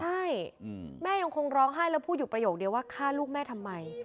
ใช่แม่ยังคงร้องไห้แล้วพูดอยู่ประโยคเดียวว่าฆ่าลูกแม่ทำไม